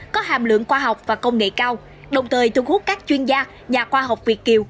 có hàm lượng khoa học và công nghệ cao đồng thời thu hút các chuyên gia nhà khoa học việt kiều